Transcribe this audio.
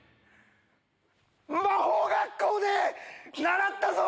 魔法学校で習ったぞ！